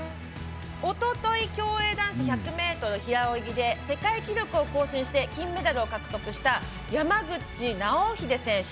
おととい競泳男子１００ｍ平泳ぎで世界記録を更新して金メダルを獲得した山口尚秀選手。